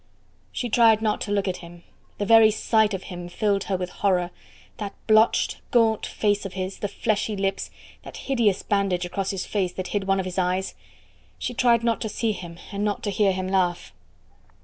She tried not to look at him; the very sight of him filled her with horror that blotched, gaunt face of his, the fleshy lips, that hideous bandage across his face that hid one of his eyes! She tried not to see him and not to hear him laugh.